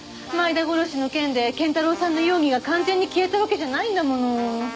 前田殺しの件で謙太郎さんの容疑が完全に消えたわけじゃないんだもの。